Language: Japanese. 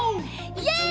イエイ！